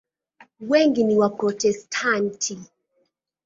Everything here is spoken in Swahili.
Wengi ni Waprotestanti.